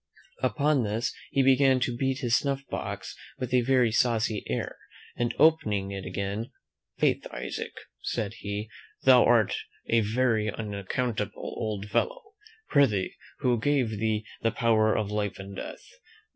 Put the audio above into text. Upon this, he began to beat his snuff box with a very saucy air; and opening it again, "Faith, Isaac," said he, "thou art a very unaccountable old fellow Pr'ythee, who gave thee the power of life and death?